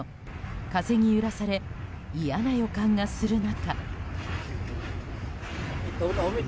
風に揺らされ嫌な予感がする中。